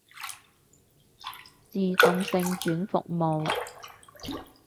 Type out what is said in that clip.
自動性轉服務